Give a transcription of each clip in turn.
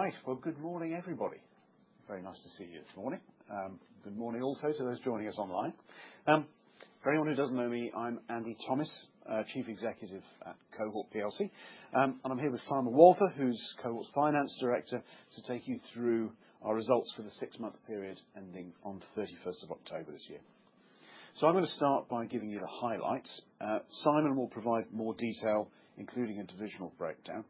Right. Well, good morning, everybody. Very nice to see you this morning. Good morning also to those joining us online. For anyone who doesn't know me, I'm Andy Thomis, Chief Executive at Cohort PLC, and I'm here with Simon Walther, who's Cohort's Finance Director, to take you through our results for the six-month period ending on the 31st of October this year. So I'm gonna start by giving you the highlights. Simon will provide more detail, including a divisional breakdown.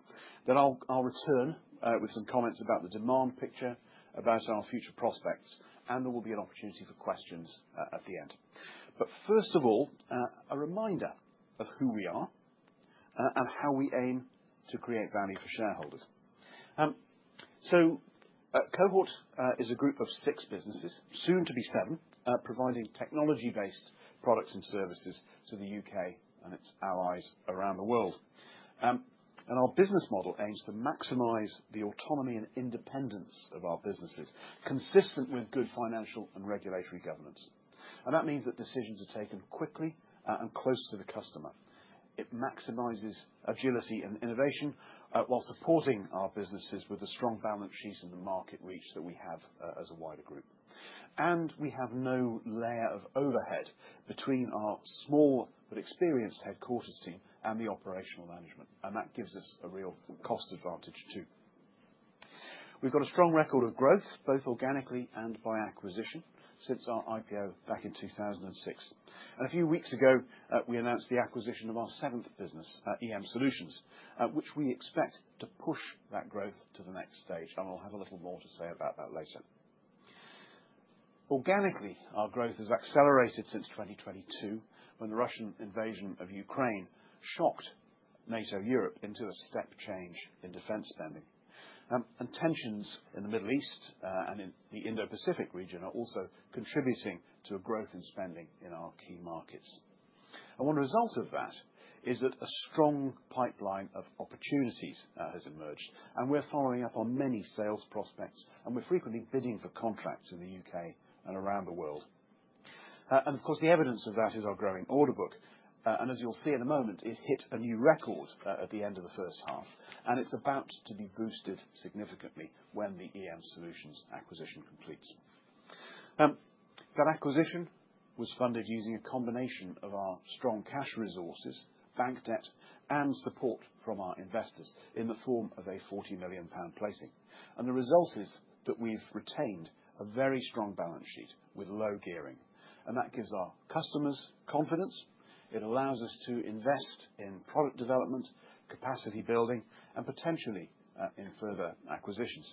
Then I'll return, with some comments about the demand picture, about our future prospects, and there will be an opportunity for questions, at the end, but first of all, a reminder of who we are, and how we aim to create value for shareholders. So, Cohort, is a group of six businesses, soon to be seven, providing technology-based products and services to the U.K. and its allies around the world. And our business model aims to maximize the autonomy and independence of our businesses, consistent with good financial and regulatory governance. And that means that decisions are taken quickly, and close to the customer. It maximizes agility and innovation, while supporting our businesses with a strong balance sheet and the market reach that we have, as a wider group. And we have no layer of overhead between our small but experienced headquarters team and the operational management, and that gives us a real cost advantage too. We've got a strong record of growth, both organically and by acquisition, since our IPO back in 2006. A few weeks ago, we announced the acquisition of our seventh business, EM Solutions, which we expect to push that growth to the next stage. I'll have a little more to say about that later. Organically, our growth has accelerated since 2022, when the Russian invasion of Ukraine shocked NATO Europe into a step change in defense spending. Tensions in the Middle East, and in the Indo-Pacific region are also contributing to a growth in spending in our key markets. One result of that is that a strong pipeline of opportunities has emerged, and we're following up on many sales prospects, and we're frequently bidding for contracts in the U.K. and around the world. Of course, the evidence of that is our growing order book. And as you'll see in a moment, it hit a new record at the end of the first half, and it's about to be boosted significantly when the EM Solutions acquisition completes. That acquisition was funded using a combination of our strong cash resources, bank debt, and support from our investors in the form of a 40 million pound placing. And the result is that we've retained a very strong balance sheet with low gearing, and that gives our customers confidence. It allows us to invest in product development, capacity building, and potentially in further acquisitions.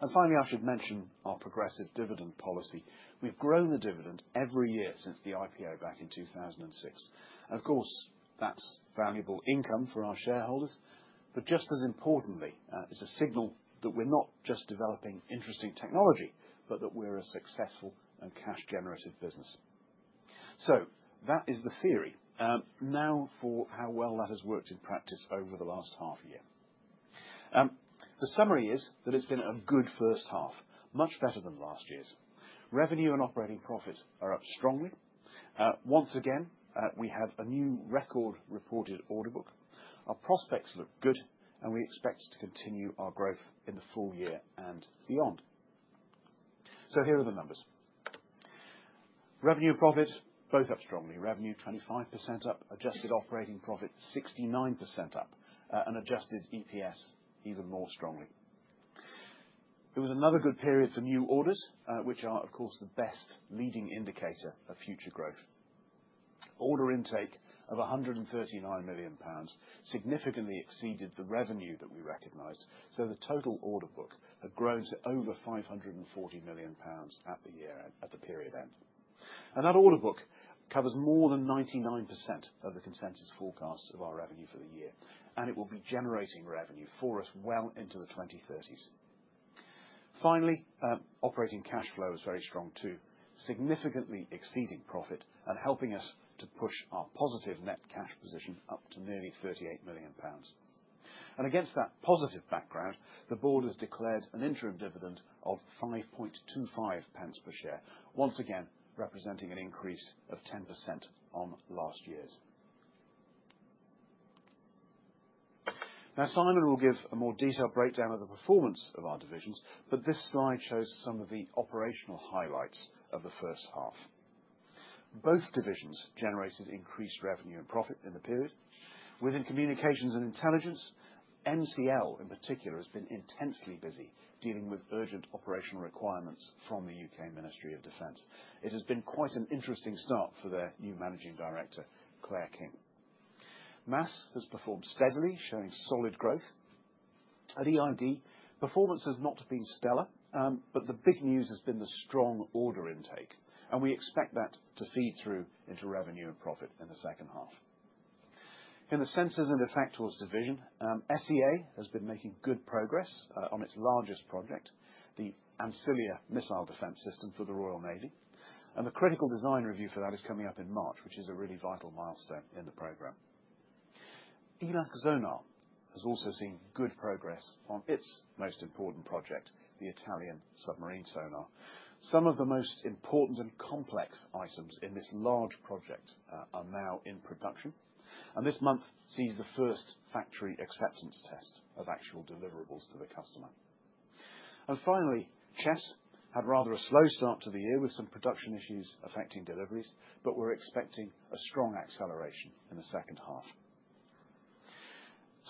And finally, I should mention our progressive dividend policy. We've grown the dividend every year since the IPO back in 2006. And of course, that's valuable income for our shareholders, but just as importantly, it's a signal that we're not just developing interesting technology, but that we're a successful and cash-generative business. So that is the theory. Now for how well that has worked in practice over the last half year. The summary is that it's been a good first half, much better than last year's. Revenue and operating profits are up strongly. Once again, we have a new record reported order book. Our prospects look good, and we expect to continue our growth in the full year and beyond. So here are the numbers. Revenue and profits both up strongly. Revenue 25% up, adjusted operating profit 69% up, and adjusted EPS even more strongly. It was another good period for new orders, which are, of course, the best leading indicator of future growth. Order intake of 139 million pounds significantly exceeded the revenue that we recognized, so the total order book had grown to over 540 million pounds at the year end, at the period end. That order book covers more than 99% of the consensus forecasts of our revenue for the year, and it will be generating revenue for us well into the 2030s. Finally, operating cash flow is very strong too, significantly exceeding profit and helping us to push our positive net cash position up to nearly 38 million pounds. Against that positive background, the board has declared an interim dividend of 5.25 pence per share, once again representing an increase of 10% on last year's. Now, Simon will give a more detailed breakdown of the performance of our divisions, but this slide shows some of the operational highlights of the first half. Both divisions generated increased revenue and profit in the period. Within Communications and Intelligence, MCL in particular has been intensely busy dealing with urgent operational requirements from the UK Ministry of Defence. It has been quite an interesting start for their new managing director, Claire King. MASS has performed steadily, showing solid growth. At EID, performance has not been stellar, but the big news has been the strong order intake, and we expect that to feed through into revenue and profit in the second half. In the Sensors and Effectors division, SEA has been making good progress on its largest project, the Ancilia missile defense system for the Royal Navy, and the critical design review for that is coming up in March, which is a really vital milestone in the program. ELAC Sonar has also seen good progress on its most important project, the Italian submarine sonar. Some of the most important and complex items in this large project are now in production, and this month sees the first factory acceptance test of actual deliverables to the customer. And finally, Chess had rather a slow start to the year with some production issues affecting deliveries, but we're expecting a strong acceleration in the second half.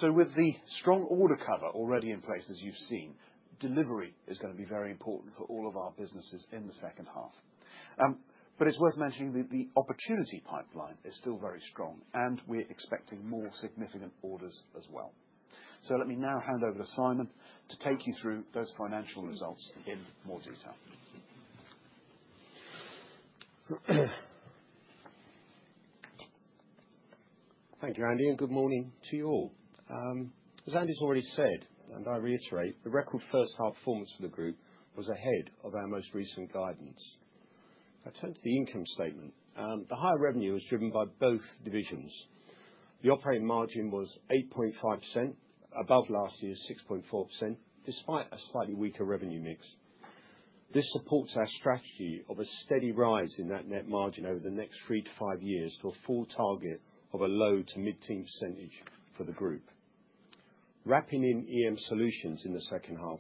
So with the strong order cover already in place, as you've seen, delivery is gonna be very important for all of our businesses in the second half. But it's worth mentioning that the opportunity pipeline is still very strong, and we're expecting more significant orders as well. So let me now hand over to Simon to take you through those financial results in more detail. Thank you, Andy, and good morning to you all. As Andy's already said, and I reiterate, the record first-half performance for the group was ahead of our most recent guidance. If I turn to the income statement, the higher revenue was driven by both divisions. The operating margin was 8.5%, above last year's 6.4%, despite a slightly weaker revenue mix. This supports our strategy of a steady rise in that net margin over the next three to five years to a full target of a low to mid-teen percentage for the group. Wrapping in EM Solutions in the second half,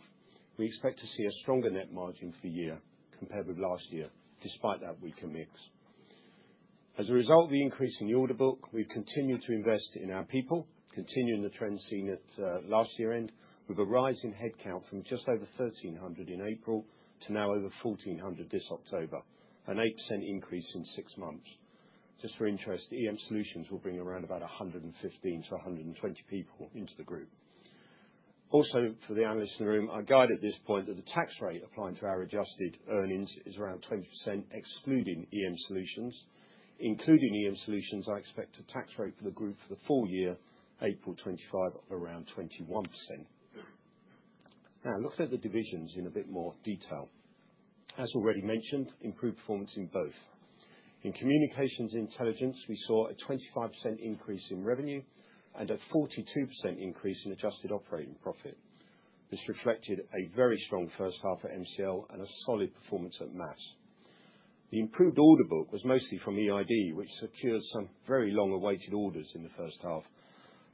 we expect to see a stronger net margin for year compared with last year, despite that weaker mix. As a result of the increase in the order book, we've continued to invest in our people, continuing the trend seen at last year end, with a rising headcount from just over 1,300 in April to now over 1,400 this October, an 8% increase in six months. Just for interest, EM Solutions will bring around about 115 to 120 people into the group. Also, for the analysts in the room, I guide at this point that the tax rate applying to our adjusted earnings is around 20% excluding EM Solutions. Including EM Solutions, I expect a tax rate for the group for the full year, April 2025, around 21%. Now, looking at the divisions in a bit more detail, as already mentioned, improved performance in both. In Communications and Intelligence, we saw a 25% increase in revenue and a 42% increase in adjusted operating profit. This reflected a very strong first half at MCL and a solid performance at MASS. The improved order book was mostly from EID, which secured some very long-awaited orders in the first half,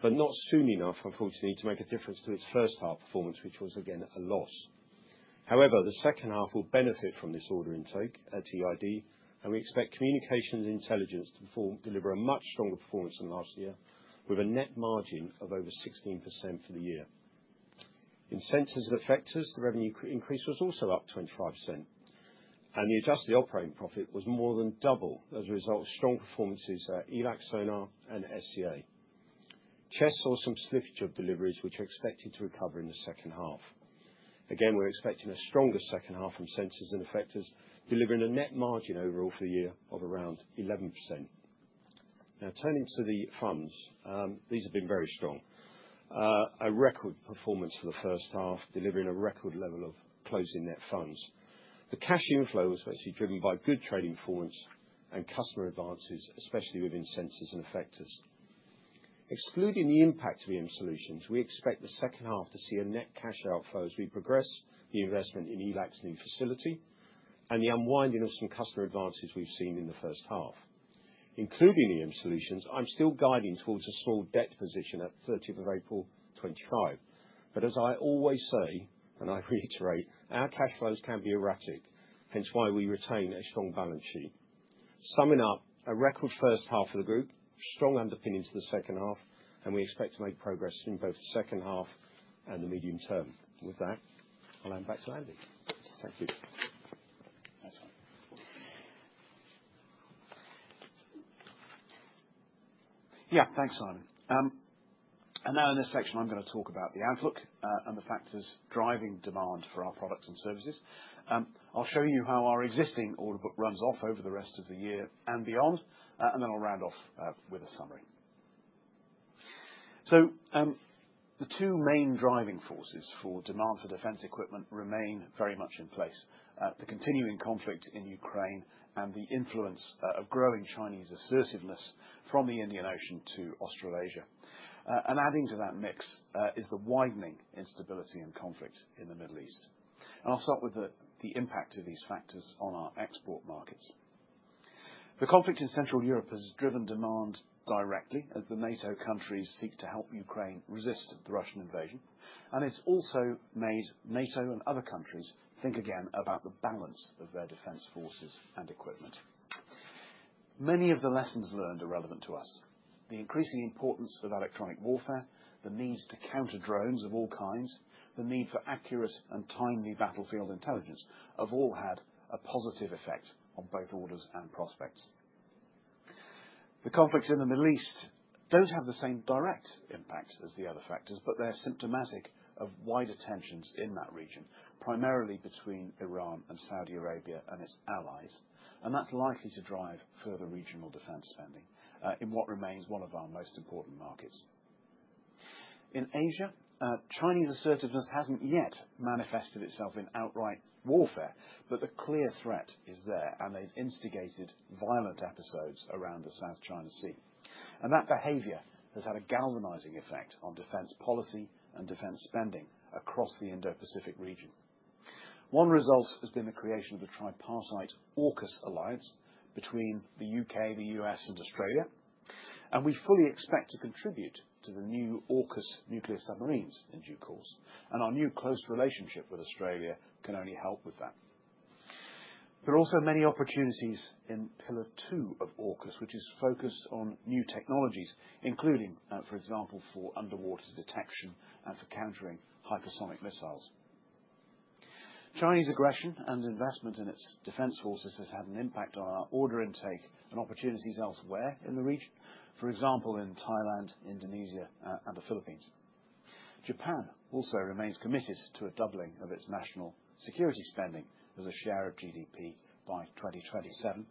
but not soon enough, unfortunately, to make a difference to its first-half performance, which was, again, a loss. However, the second half will benefit from this order intake at EID, and we expect Communications and Intelligence to perform, deliver a much stronger performance than last year, with a net margin of over 16% for the year. In Sensors and Effectors, the revenue increase was also up 25%, and the adjusted operating profit was more than double as a result of strong performances at ELAC Sonar and SEA. Chess saw some slippage in job deliveries, which are expected to recover in the second half. Again, we're expecting a stronger second half from Sensors and Effectors, delivering a net margin overall for the year of around 11%. Now, turning to the funds, these have been very strong. A record performance for the first half, delivering a record level of closing net funds. The cash inflow was mostly driven by good trading performance and customer advances, especially within Sensors and Effectors. Excluding the impact of EM Solutions, we expect the second half to see a net cash outflow as we progress the investment in ELAC's new facility and the unwinding of some customer advances we've seen in the first half. Including EM Solutions, I'm still guiding towards a small debt position at 30th of April 2025, but as I always say, and I reiterate, our cash flows can be erratic, hence why we retain a strong balance sheet. Summing up, a record first half for the group, strong underpinnings for the second half, and we expect to make progress in both the second half and the medium term. With that, I'll hand back to Andy. Thank you. That's fine. Yeah, thanks, Simon, and now in this section, I'm gonna talk about the outlook, and the factors driving demand for our products and services. I'll show you how our existing order book runs off over the rest of the year and beyond, and then I'll round off with a summary, so the two main driving forces for demand for defense equipment remain very much in place, the continuing conflict in Ukraine and the influence of growing Chinese assertiveness from the Indian Ocean to Australasia, and adding to that mix is the widening instability and conflict in the Middle East, and I'll start with the impact of these factors on our export markets. The conflict in Central Europe has driven demand directly as the NATO countries seek to help Ukraine resist the Russian invasion, and it's also made NATO and other countries think again about the balance of their defense forces and equipment. Many of the lessons learned are relevant to us. The increasing importance of electronic warfare, the need to counter drones of all kinds, the need for accurate and timely battlefield intelligence have all had a positive effect on both orders and prospects. The conflicts in the Middle East don't have the same direct impact as the other factors, but they're symptomatic of wider tensions in that region, primarily between Iran and Saudi Arabia and its allies, and that's likely to drive further regional defense spending, in what remains one of our most important markets. In Asia, Chinese assertiveness hasn't yet manifested itself in outright warfare, but the clear threat is there, and they've instigated violent episodes around the South China Sea, and that behavior has had a galvanizing effect on defense policy and defense spending across the Indo-Pacific region. One result has been the creation of the tripartite AUKUS alliance between the U.K., the U.S., and Australia, and we fully expect to contribute to the new AUKUS nuclear submarines in due course, and our new close relationship with Australia can only help with that. There are also many opportunities in Pillar Two of AUKUS, which is focused on new technologies, including, for example, for underwater detection and for countering hypersonic missiles. Chinese aggression and investment in its defense forces has had an impact on our order intake and opportunities elsewhere in the region, for example, in Thailand, Indonesia, and the Philippines. Japan also remains committed to a doubling of its national security spending as a share of GDP by 2027.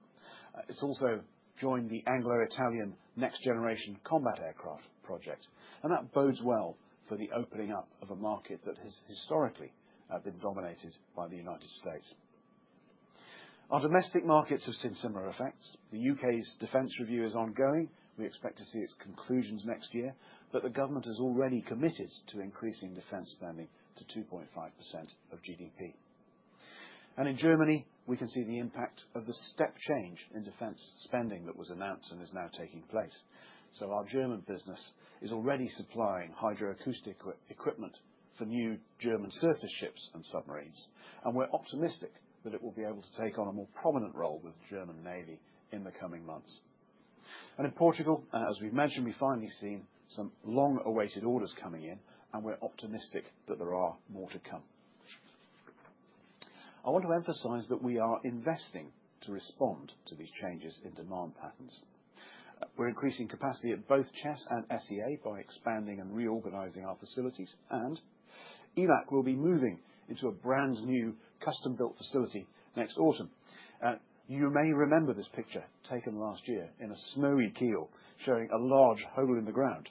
It's also joined the Anglo-Italian next-generation combat aircraft project, and that bodes well for the opening up of a market that has historically been dominated by the United States. Our domestic markets have seen similar effects. The UK's defense review is ongoing. We expect to see its conclusions next year, but the government has already committed to increasing defense spending to 2.5% of GDP, and in Germany, we can see the impact of the step change in defense spending that was announced and is now taking place, so our German business is already supplying hydroacoustic equipment for new German surface ships and submarines, and we're optimistic that it will be able to take on a more prominent role with the German Navy in the coming months. And in Portugal, as we've mentioned, we've finally seen some long-awaited orders coming in, and we're optimistic that there are more to come. I want to emphasize that we are investing to respond to these changes in demand patterns. We're increasing capacity at both Chess and SEA by expanding and reorganizing our facilities, and ELAC will be moving into a brand new custom-built facility next autumn. You may remember this picture taken last year in a snowy Kiel showing a large hole in the ground.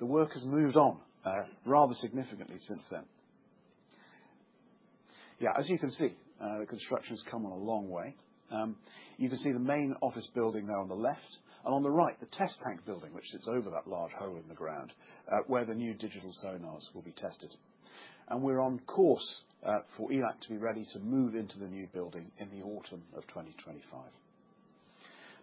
The work has moved on, rather significantly since then. Yeah, as you can see, the construction's come a long way. You can see the main office building there on the left, and on the right, the test tank building which sits over that large hole in the ground, where the new digital sonars will be tested. And we're on course for ELAC to be ready to move into the new building in the autumn of 2025.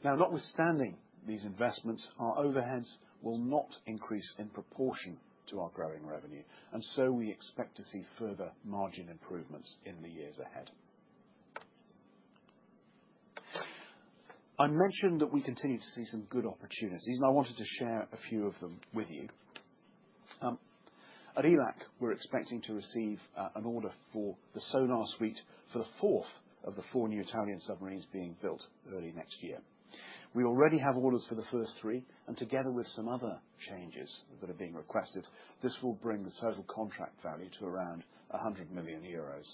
Now, notwithstanding these investments, our overheads will not increase in proportion to our growing revenue, and so we expect to see further margin improvements in the years ahead. I mentioned that we continue to see some good opportunities, and I wanted to share a few of them with you. At ELAC, we're expecting to receive an order for the sonar suite for the fourth of the four new Italian submarines being built early next year. We already have orders for the first three, and together with some other changes that are being requested, this will bring the total contract value to around 100 million euros.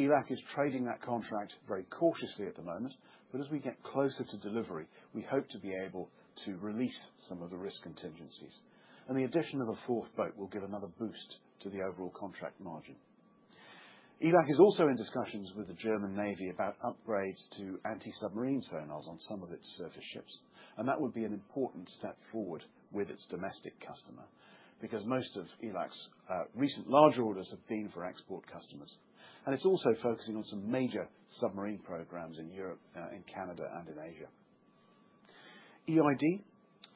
ELAC is trading that contract very cautiously at the moment, but as we get closer to delivery, we hope to be able to release some of the risk contingencies, and the addition of a fourth boat will give another boost to the overall contract margin. ELAC is also in discussions with the German Navy about upgrades to anti-submarine sonars on some of its surface ships, and that would be an important step forward with its domestic customer because most of ELAC's recent large orders have been for export customers, and it's also focusing on some major submarine programs in Europe, in Canada, and in Asia. EID,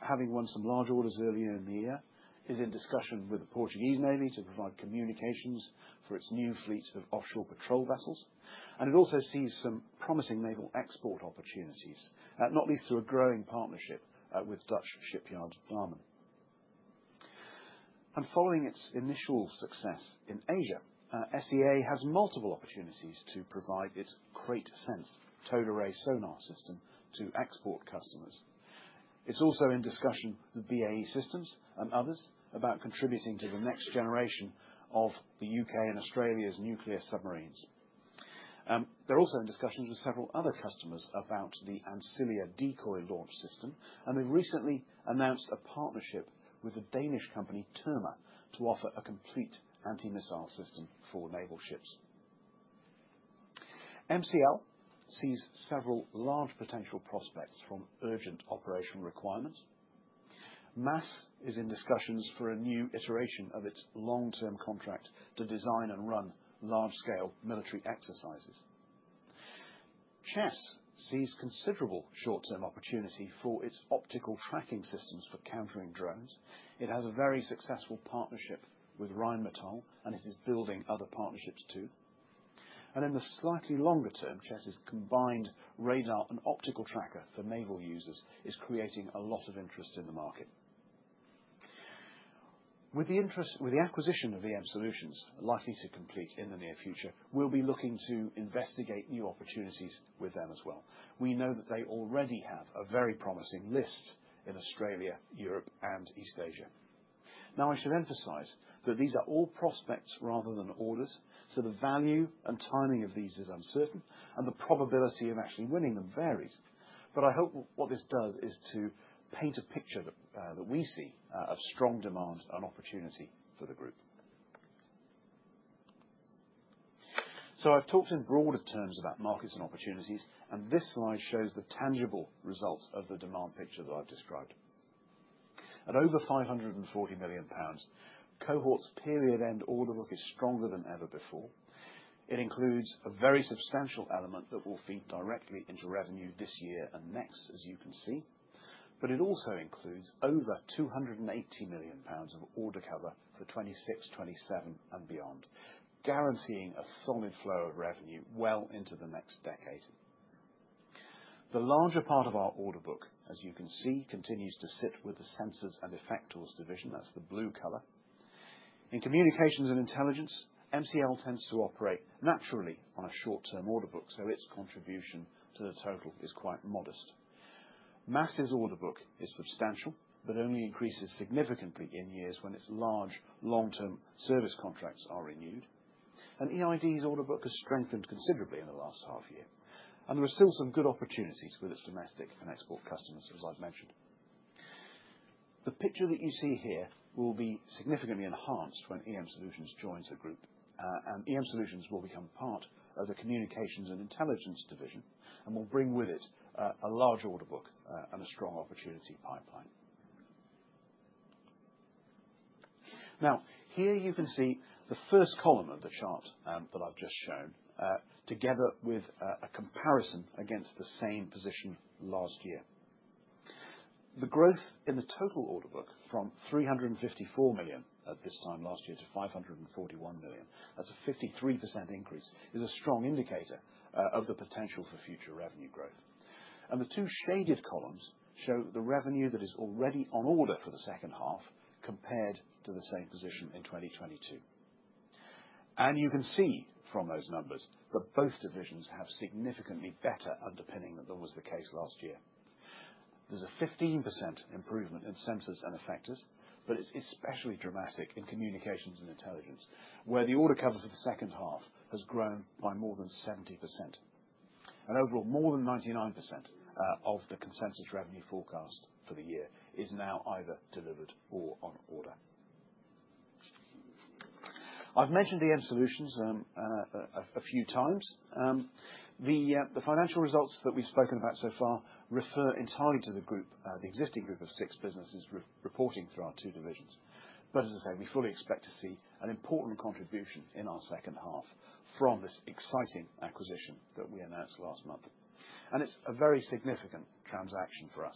having won some large orders earlier in the year, is in discussion with the Portuguese Navy to provide communications for its new fleet of offshore patrol vessels, and it also sees some promising naval export opportunities, not least through a growing partnership with Dutch shipyard Damen. Following its initial success in Asia, SEA has multiple opportunities to provide its KraitSense towed array sonar system to export customers. It’s also in discussion with BAE Systems and others about contributing to the next generation of the UK and Australia’s nuclear submarines. They’re also in discussions with several other customers about the Ancilia decoy launch system, and they’ve recently announced a partnership with the Danish company Terma to offer a complete anti-missile system for naval ships. MCL sees several large potential prospects from urgent operational requirements. MASS is in discussions for a new iteration of its long-term contract to design and run large-scale military exercises. Chess sees considerable short-term opportunity for its optical tracking systems for countering drones. It has a very successful partnership with Rheinmetall, and it is building other partnerships too, and in the slightly longer term, Chess's combined radar and optical tracker for naval users is creating a lot of interest in the market. With the interest with the acquisition of EM Solutions, likely to complete in the near future, we'll be looking to investigate new opportunities with them as well. We know that they already have a very promising list in Australia, Europe, and East Asia. Now, I should emphasize that these are all prospects rather than orders, so the value and timing of these is uncertain, and the probability of actually winning them varies. I hope what this does is to paint a picture that we see of strong demand and opportunity for the group. So I've talked in broader terms about markets and opportunities, and this slide shows the tangible results of the demand picture that I've described. At over £540 million, Cohort's period-end order book is stronger than ever before. It includes a very substantial element that will feed directly into revenue this year and next, as you can see, but it also includes over £280 million of order cover for 2026, 2027, and beyond, guaranteeing a solid flow of revenue well into the next decade. The larger part of our order book, as you can see, continues to sit with the Sensors and Effectors Division. That's the blue color. In Communications and Intelligence, MCL tends to operate naturally on a short-term order book, so its contribution to the total is quite modest. MASS's order book is substantial but only increases significantly in years when its large long-term service contracts are renewed. And EID's order book has strengthened considerably in the last half year, and there are still some good opportunities with its domestic and export customers, as I've mentioned. The picture that you see here will be significantly enhanced when EM Solutions joins the group, and EM Solutions will become part of the Communications and Intelligence division and will bring with it a large order book and a strong opportunity pipeline. Now, here you can see the first column of the chart that I've just shown, together with a comparison against the same position last year. The growth in the total order book from 354 million at this time last year to 541 million, that's a 53% increase, is a strong indicator of the potential for future revenue growth. And the two shaded columns show the revenue that is already on order for the second half compared to the same position in 2022. And you can see from those numbers that both divisions have significantly better underpinning than was the case last year. There's a 15% improvement in sensors and effectors, but it's especially dramatic in Communications and Intelligence, where the order cover for the second half has grown by more than 70%. And overall, more than 99% of the consensus revenue forecast for the year is now either delivered or on order. I've mentioned EM Solutions a few times. The financial results that we've spoken about so far refer entirely to the group, the existing group of six businesses re-reporting through our two divisions, but as I say, we fully expect to see an important contribution in our second half from this exciting acquisition that we announced last month, and it's a very significant transaction for us.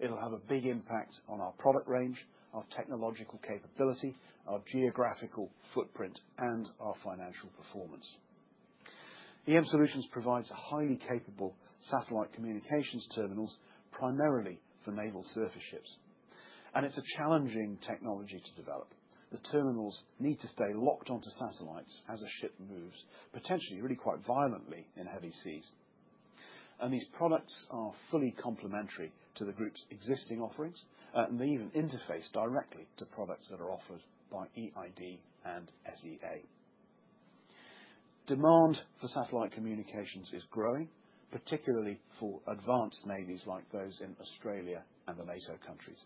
It'll have a big impact on our product range, our technological capability, our geographical footprint, and our financial performance. EM Solutions provides highly capable satellite communications terminals primarily for naval surface ships, and it's a challenging technology to develop. The terminals need to stay locked onto satellites as a ship moves, potentially really quite violently in heavy seas, and these products are fully complementary to the group's existing offerings, and they even interface directly to products that are offered by EID and SEA. Demand for satellite communications is growing, particularly for advanced navies like those in Australia and the NATO countries.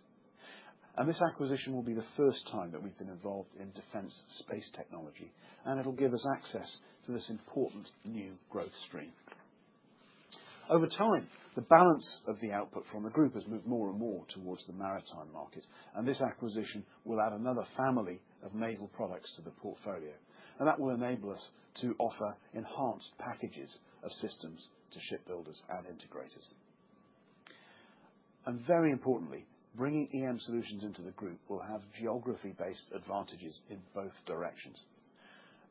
This acquisition will be the first time that we've been involved in defense space technology, and it'll give us access to this important new growth stream. Over time, the balance of the output from the group has moved more and more towards the maritime market, and this acquisition will add another family of naval products to the portfolio, and that will enable us to offer enhanced packages of systems to shipbuilders and integrators. Very importantly, bringing EM Solutions into the group will have geography-based advantages in both directions.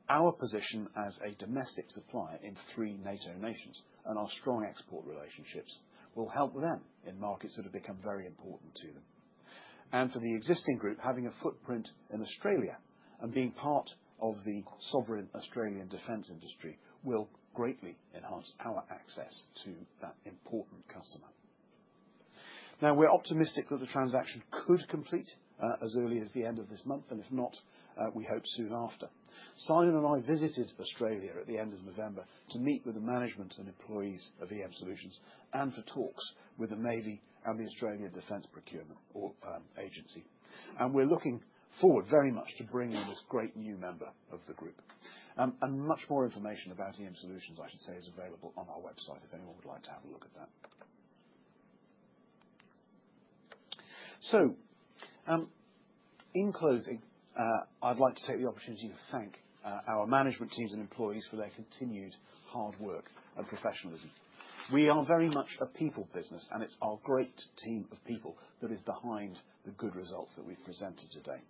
Our position as a domestic supplier in three NATO nations and our strong export relationships will help them in markets that have become very important to them. And for the existing group, having a footprint in Australia and being part of the sovereign Australian defense industry will greatly enhance our access to that important customer. Now, we're optimistic that the transaction could complete, as early as the end of this month, and if not, we hope soon after. Simon and I visited Australia at the end of November to meet with the management and employees of EM Solutions and for talks with the navy and the Australian defense procurement organization. And we're looking forward very much to bringing this great new member of the group. And much more information about EM Solutions, I should say, is available on our website if anyone would like to have a look at that. So, in closing, I'd like to take the opportunity to thank our management teams and employees for their continued hard work and professionalism. We are very much a people business, and it's our great team of people that is behind the good results that we've presented today.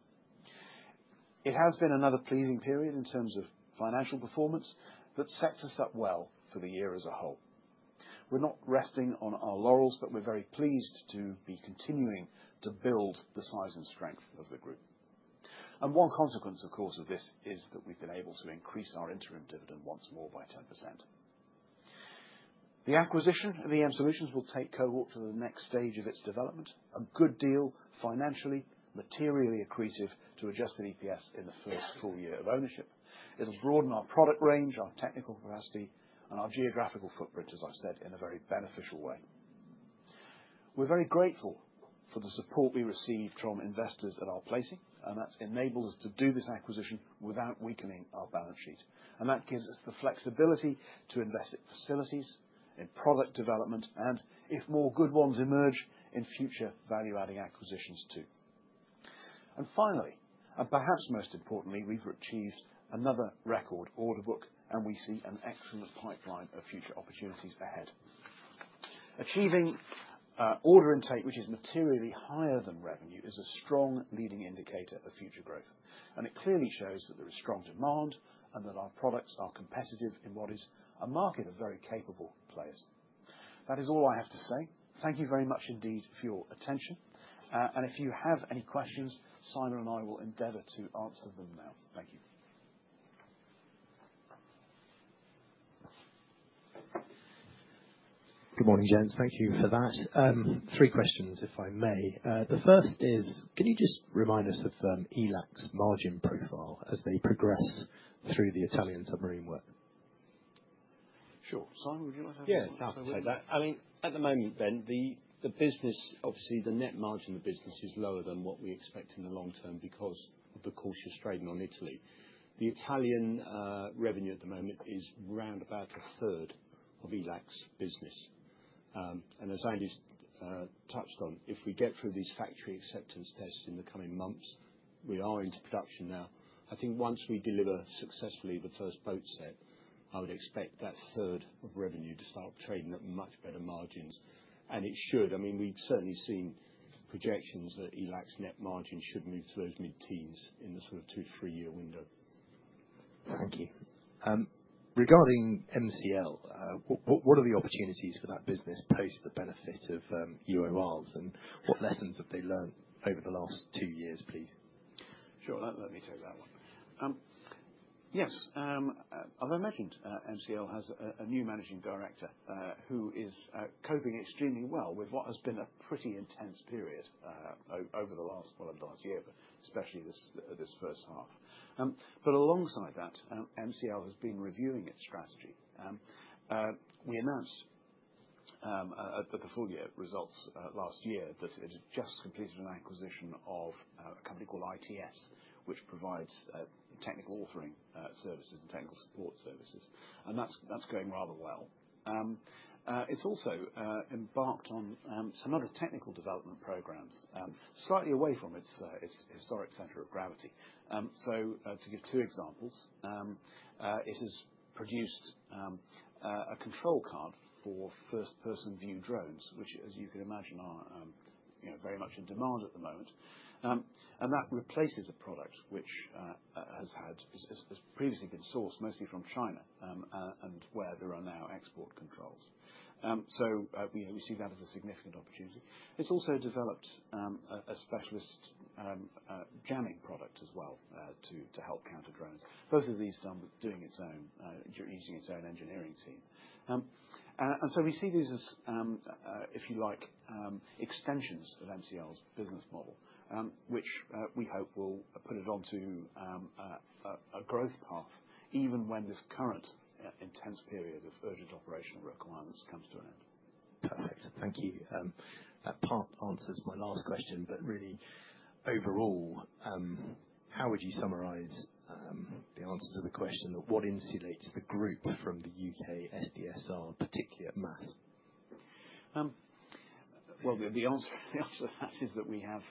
It has been another pleasing period in terms of financial performance that sets us up well for the year as a whole. We're not resting on our laurels, but we're very pleased to be continuing to build the size and strength of the group. And one consequence, of course, of this is that we've been able to increase our interim dividend once more by 10%. The acquisition of EM Solutions will take Cohort to the next stage of its development, a good deal financially, materially accretive to adjusted EPS in the first full year of ownership. It'll broaden our product range, our technical capacity, and our geographical footprint, as I've said, in a very beneficial way. We're very grateful for the support we received from investors at our placing, and that's enabled us to do this acquisition without weakening our balance sheet. And that gives us the flexibility to invest in facilities, in product development, and if more good ones emerge in future value-adding acquisitions too. And finally, and perhaps most importantly, we've achieved another record order book, and we see an excellent pipeline of future opportunities ahead. Achieving order intake, which is materially higher than revenue, is a strong leading indicator of future growth, and it clearly shows that there is strong demand and that our products are competitive in what is a market of very capable players. That is all I have to say. Thank you very much indeed for your attention. And if you have any questions, Simon and I will endeavour to answer them now. Thank you. Good morning, gents. Thank you for that. Three questions, if I may. The first is, can you just remind us of ELAC's margin profile as they progress through the Italian submarine work? Sure. Simon, would you like to answer that? Yeah, absolutely. I mean, at the moment, Ben, the business, obviously, the net margin of the business is lower than what we expect in the long term because of the cautious trade on Italy. The Italian revenue at the moment is round about a third of ELAC's business. And as Andy's touched on, if we get through these factory acceptance tests in the coming months, we are into production now. I think once we deliver successfully the first boat set, I would expect that third of revenue to start trading at much better margins. And it should. I mean, we've certainly seen projections that ELAC's net margin should move to those mid-teens in the sort of two to three-year window. Thank you. Regarding MCL, what are the opportunities for that business post the benefit of UORs? And what lessons have they learned over the last two years, please? Sure. Let me take that one. Yes. As I mentioned, MCL has a new managing director, who is coping extremely well with what has been a pretty intense period over the last, well, over the last year, but especially this first half, but alongside that, MCL has been reviewing its strategy. We announced at the full year results last year that it had just completed an acquisition of a company called ITS, which provides technical authoring services and technical support services, and that's going rather well. It's also embarked on some other technical development programs, slightly away from its historic center of gravity, so to give two examples, it has produced a control card for first-person view drones, which, as you can imagine, are you know very much in demand at the moment. And that replaces a product which has previously been sourced mostly from China, and where there are now export controls. So we see that as a significant opportunity. It's also developed a specialist jamming product as well, to help counter drones. Both of these done using its own engineering team. So we see these as, if you like, extensions of MCL's business model, which we hope will put it onto a growth path even when this current intense period of urgent operational requirements comes to an end. Perfect. Thank you. That part answers my last question, but really, overall, how would you summarize, the answer to the question of what insulates the group from the UK SDSR, particularly at MASS? The answer to that is that we have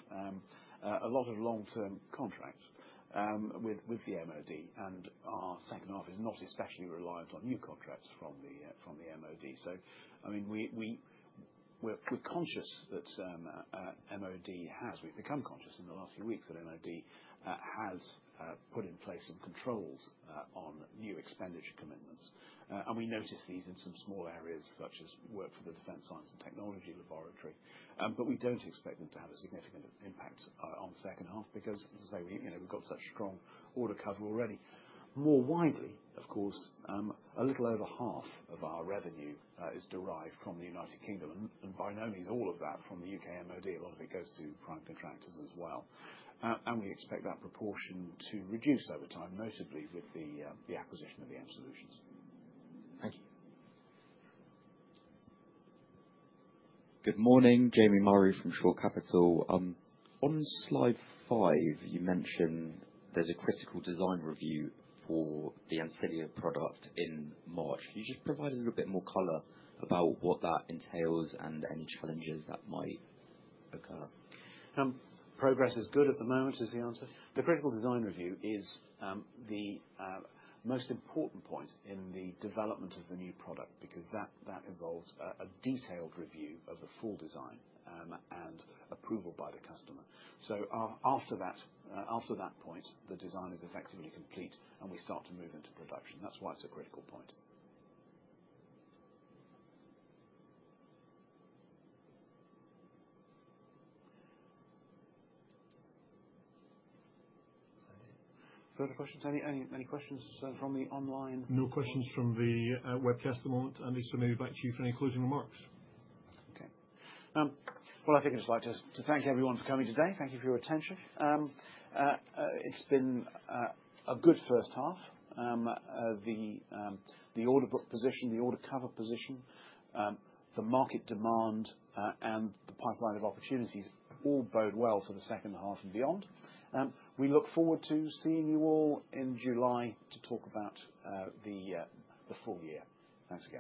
a lot of long-term contracts with the MOD, and our second half is not especially reliant on new contracts from the MOD. I mean, we're conscious that we've become conscious in the last few weeks that the MOD has put in place some controls on new expenditure commitments, and we notice these in some small areas such as work for the Defence Science and Technology Laboratory. We don't expect them to have a significant impact on the second half because, as I say, you know, we've got such strong order cover already. More widely, of course, a little over half of our revenue is derived from the United Kingdom, and by no means all of that from the UK MOD. A lot of it goes to prime contractors as well. And we expect that proportion to reduce over time, notably with the acquisition of EM Solutions. Thank you. Good morning. Jamie Murray from Shore Capital. On slide five, you mentioned there's a critical design review for the Ancilia product in March. Can you just provide a little bit more color about what that entails and any challenges that might occur? Progress is good at the moment, is the answer. The Critical Design Review is the most important point in the development of the new product because that involves a detailed review of the full design, and approval by the customer. So after that, after that point, the design is effectively complete, and we start to move into production. That's why it's a critical point. Thank you. Further questions? Any questions from the online? No questions from the webcast at the moment, Andy, so maybe back to you for any closing remarks. Okay. Well, I think I'd just like to thank everyone for coming today. Thank you for your attention. It's been a good first half. The order book position, the order cover position, the market demand, and the pipeline of opportunities all bode well for the second half and beyond. We look forward to seeing you all in July to talk about the full year. Thanks again.